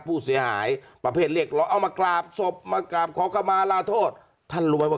ผู้เสียหายประเภทเรียกร้องเอามากราบศพมากราบขอเข้ามาลาโทษท่านรวยว่า